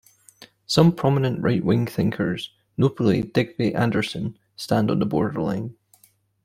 Some prominent Right-wing thinkers, notably Digby Anderson, stand on the borderline.